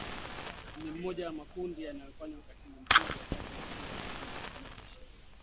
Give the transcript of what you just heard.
ni mmoja ya makundi yanayofanya ukatili mkubwa kati ya zaidi ya makundi mia moja ishirini